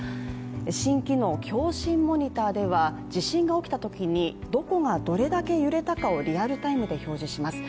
新機能・強震モニタでは地震が起きたときにどこが、どれだけ揺れたかをリアルタイムで表示します。